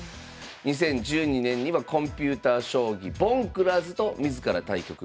２０１２年にはコンピューター将棋「ボンクラーズ」と自ら対局。